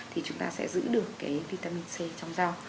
thì chúng ta sẽ giữ được cái vitamin c trong rau